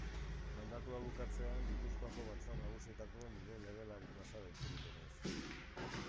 Mandatua bukatzean Gipuzkoako Batzar Nagusietako nire legelari plazara itzuliko naiz.